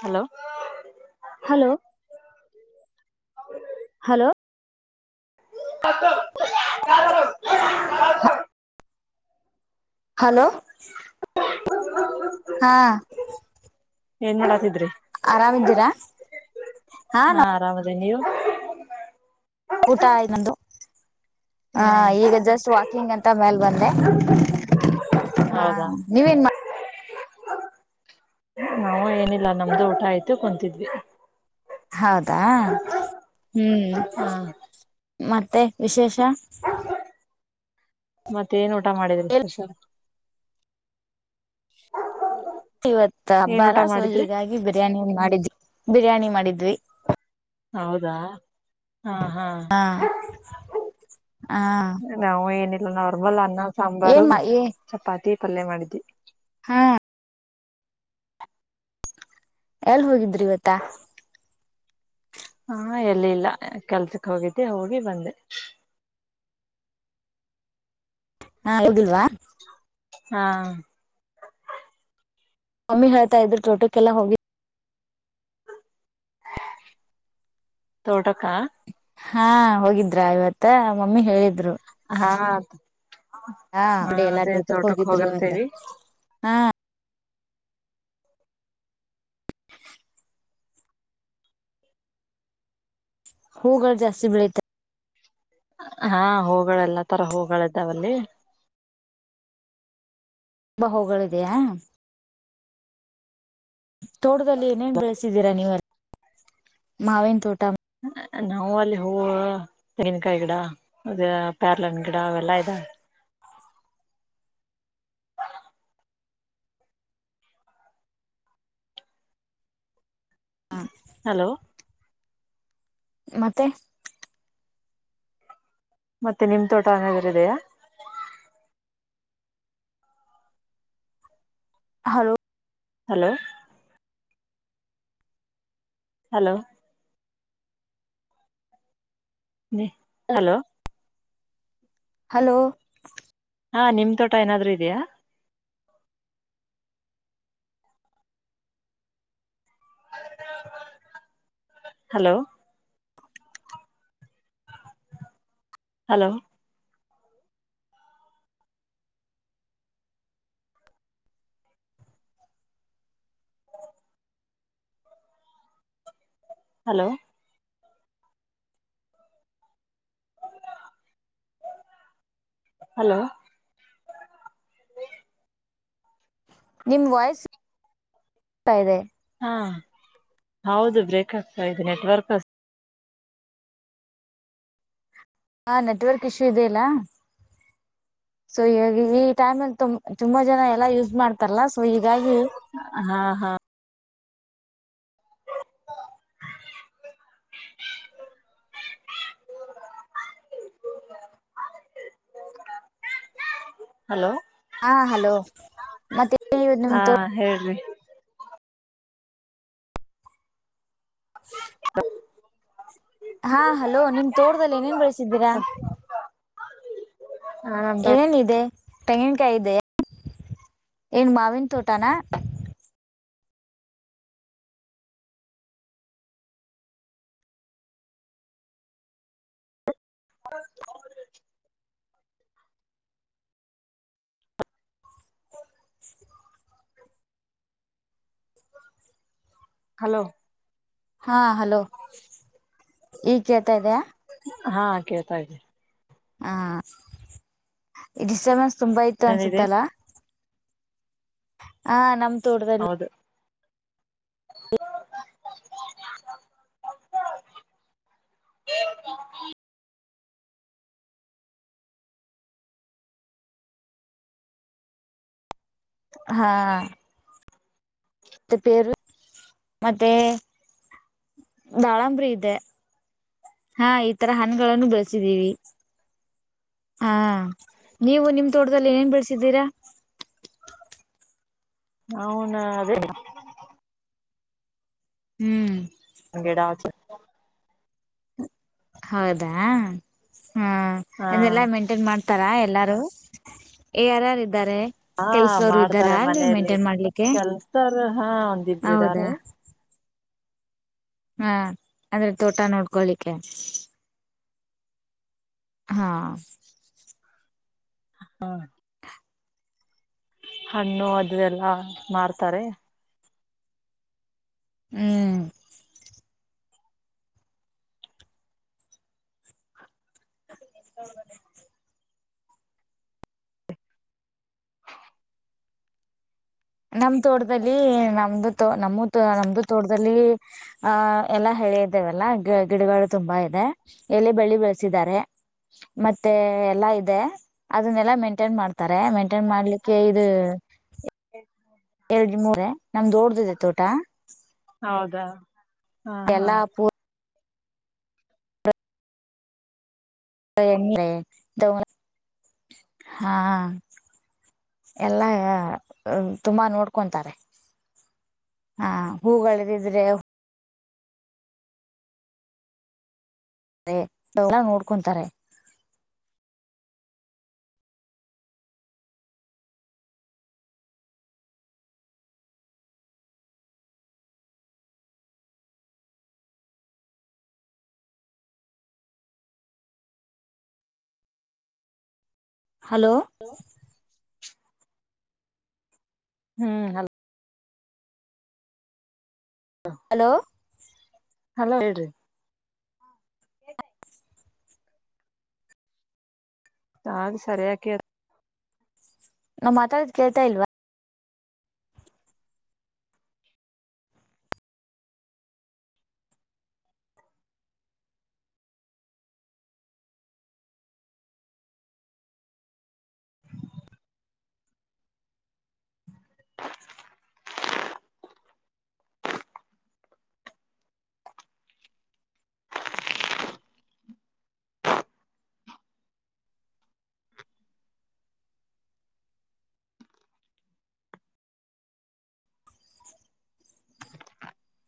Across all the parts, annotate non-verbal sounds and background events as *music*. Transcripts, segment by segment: hello hello hello ಅ *inaudible* *unintelligible* hello ಹಾ ಏನ್ ಮಾಡತಿದ್ರಿ ಆರಾಮಿದ್ದೀರಾ ಹಾ ಆರಾಮ ಅದೇ ನೀವು ಊಟ ಇನ್ನೊಂದು ಹ ಹ್ಮ್ ಈಗ ಜಸ್ಟ್ ಗ್ ಅಂತ ಮ್ಯಲ್ ಬಂದೆ ಹ ಹೌದಾ ನೀವೇನ್ ಮಾಡ ನಾವು ಏನಿಲ್ಲ ನಮ್ದು ಊಟ ಆಯ್ತು ಕುತಿದ್ವಿ ಹೌದಾ ಹ್ಮ್ ಹಾ ಮತ್ತೆ ವಿಶೇಷ ಮತ್ತ ಏನ್ ಊಟ ಮಾಡಿದ್ರಿ ಸ್ಪೆಷಲ್ ಇವತ್ ಏನ್ ಹಬ್ಬಾರ ಊಟ ಸೊ ಮಾಡಿದ್ರಿ ಹೀಗಾಗಿ ಬಿರಿಯಾನಿ ಮಾಡಿದ್ವಿ ಬಿರಿಯಾನಿ ಮಾಡಿದ್ವಿ ಹೌದಾ ಹಾ ಹಾ ಹ ನಾವು ಏನಿಲ್ಲ ನಾರ್ಮಲ್ ಅನ್ನ ಸಾಂಬಾರು ಏನ್ ಮಾ ಏ ಚಪಾತಿ ಪಲ್ಯ ಮಾಡಿದ್ವಿ ಹಾ ಎಲ್ ಹೋಗಿದ್ರಿವತ್ತ ಹಾ ಎಲ್ಲಿಲ್ಲ ಕೆಲ್ಸಕ್ ಹೋಗಿದ್ದೆ ಹೋಗಿ ಬಂದೆ ಹಾ ಹೋಗಿಲ್ವಾ ಹಾ ಮಮ್ಮಿ ಹೇಳ್ತಾ ಇದ್ರು ತೋಟಕ್ಕೆಲ್ಲಾ ಹೋಗಿ ತೋಟಕ ಹಾ ಹೋಗಿದ್ರ ಇವತ್ತ ಮಮ್ಮಿ ಹೇಳಿದ್ರು ಹಾ ಹಾ ಹ ಅಡಿ ಎಲ್ಲ ಅದೇ ತೋಟಕ್ಕೆ ತೋಟಕ್ ಹೋಗಿದ್ರು ಎಂತ ಹೋಗಿರ್ತೇವಿ ಹಾ ಹೂಗಳು ಜಾಸ್ತಿ ಬೆಳತ ಹಾ ಹೂಗಳೆಲ್ಲಾ ತರ ಹೂಗಳ ಇದ್ದಾವಲ್ಲಿ ತ ಬಾ ಹುಗಳ ಇದೆಯಾ ತೋಟದಲ್ಲಿ ಏನೇನ್ ಬೆಳೆಸಿದ್ದೀರಾ ನೀವೆಲ್ಲ ಮಾವೇನ್ ತೋಟ ನಾವವು ಅಲ್ಲಿ ಹೂವು ತೆಂಗಿನಕಾಯಿ ಗಿಡ ಅದ ಪ್ಯಾರ್ಲೆನ್ ಗಿಡ ಅವೆಲ್ಲಾ ಇದಾವ ಹಾ ಹಲೋ ಮತ್ತೆ ಮತ್ತೆ ನಿಮ್ ತೋಟ ಅನಾದ್ರ ಇದೆಯಾ ಹಲೋ ಹಲೋ ಹಲೋ ನೀ ಹಲೋ ಹಲೋ ಹಾ ನಿಮ್ ತೋಟ ಏನಾದ್ ಇದೆಯಾ ಹಲೋ ಹಲೋ ಹಲೋ ಹಲೋ ನಿಮ್ ವಾಯ್ಸತಾ ಇದೆ ಹಾ ಹೌದು ಬ್ರೇಕ್ ಆಗ್ತಾ ಇದೆ ನೆಟ್ವರ್ಕ್ ಹಾ ನೆಟ್ವರ್ಕ್ ಇಶ್ಯೂ ಇದದೆ ಇಲ್ಲ ಸೊ ಈ ಈ ಟೈಮ್ ಅಲ್ಲಿು ತುಂಬಾ ಜನ ಎಲ್ಲಾ ಯೂಸ್ ಮಾಡ್ ತ್ತಲ್ಲ ಸೊ ಹೀಗಾಗಿ ಹಾ ಹಾ ಹಲೋ ಹಾ ಹಲೋ ಮತ್ತ ನಿಮ ಹಾ ತೋ ಹೇಳ್ರಿ ಹ ಹಾ ಹಲೋ ನಿಮ್ ತೋಟದಲ್ಲಿ ಏನೇನ್ ಬೆಳಸಿದ್ದೀರಾ ಹಾ ನಮ್ ದೊಡ್ ಏನಿದೆ ತೆಂಗನ್ಕಾಯಿ ಇದ ಏನ್ ಮಾವಿನ ತೋಟಾನ ಹ ಹಲೋ ಹಾ ಹಲೋ ಈಗ ಕೇಳ್ತಾ ಇದಯಾ ಹಾ ಕೇಳ್ತಾ ಇದ್ದ ಹಾ ಈ ಡಿಸ್ಟರ್ಬನ್ಸ್ ತುಂಬಾ ಇತ ಏನಿದೆ ಅನ್ಸತ್ತಲ್ಲ ಹಾ ನಮ್ ತೋಟದಲ್ಲಿ ಹೌದು ಹಾ ಮತ್ತ ಪೇರು ಮತ್ತೆ ದಾಳಂಬರಿಿ ಇದೆ ಹಾ ಈ ತರ ಹಣಗಳನ್ನು ಬೆಳಸಿದೀವಿ ಹಾ ನೀವು ನಿಮ ತೋಟದಲ್ಲಿ ಏೇನ್ ಬೆಳ್ಸಿದ್ದೀರಾ ನೌನ್ ಅದೇ ಹ್ಮ್ ಗಿಡ ಹಚ್ಚು ಹೌದಾ ಹ ಹಾ ಅೆಲ್ಲಾ ಮೇಂಟೈನ್ ಮಾಡ ಹತಾರಾ ಎಲ್ಲಾರು ಯಾರಾರ ಇದ್ದಾರೆ ಹಾ ಕೆಲ್ಸವ್ರು ಇದ್ದಾರಾ ಮಾಡ್ತಾರೆ ಅಲ್ಲಿ ಮನೇಲಿ ಮೇಂಟೇನ್ ಮಾಡ್ಲಿಕ್ಕೆ ಕೆಲ್ಸತಾರ ಹಾ ಒಂದಿಬರು ಹೌದಾ ಇದಾರೆ *inaudible* ಹಾ ಅಂದ್ರೆ ತೋಟ ನೋಡ್ಕೊಳಿಕ್ಕೆ ಹಾ ಹಾ ಹಣ್ಣು ಅದದೆಲ್ಲಾ ಮಾರ್ತಾರೆ ಹ್ಮ್ ಎಂತ ನಮ್ ತೋಟದಲ್ಲಿ ನಮ್ದು ತ ನಮ್ಮ ನಮ್ದು ತೋಟದಲ್ಲಿ ಅಹ ಎಲ್ಲಾ ಬೆಳೆ ಇದವಲ್ಲ ಗ ಗಿಡಗಳುಗಳು ತುಂಬಾ ಇದೆ ಎಲ್ಲಿ ಬೆಳ್ಳಿ ಬೆಳೆಸಿದ್ದಾರೆ ಮತ್ತೆ ಎಲ್ಲಾ ಇದೆ ಅದನ್ನೆಲ್ಲಾ ಮೇಂಟೈನ್ ಮಾಡ್ತ ತಾರೆ ಮೇಂಟೈನ್ ಮಾಡ್ಲಿಕ್ಕೆ ಇದು ಎರಡು ಮೂರ ನಮ್ದು ೋಡ್ದಿದೆ ತೋಟ ಹೌದಾ ಹಾ ಹಾ ಎಲ್ಲಾ ಹಾ ಎಲ್ಲ ತುಂಬಾ ನೋಡ್ಕೊಂತಾರೆ ಹಾ ಹೂಗಳದಿದ್ರೆ ನೋಡ್ಕೊಂತಾರೆ ಹಲೋ ಹ್ಮ್ ಹಲ ಹಲೋ ಹಲೋ ಹೇಳ್ರಿ ಹಾ ಸರಿಯಕ್ಕೆ ನಾ್ ಮಾತಾಡಿದ್ ಕೇಳ್ತಾ ಇಲ್ವಾ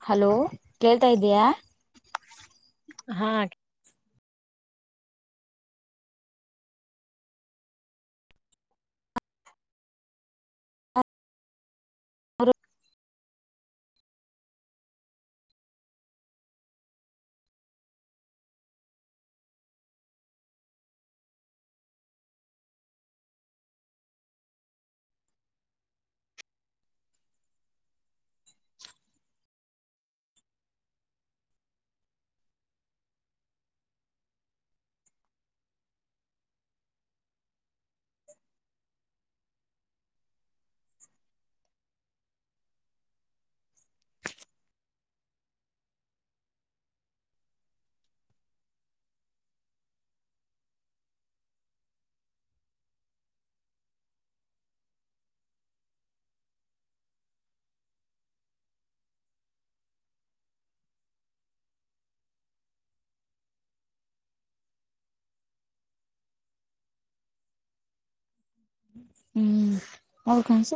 ಹಲೋ ಕೇಳ್ತಾ ಇದ್ದಯ ಹಾ ಹ ಹ್ಮ್ ಅವ ಕಂಸ